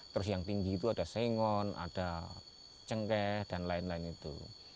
terus yang tinggi itu ada sengon ada cengkeh dan lain lain itu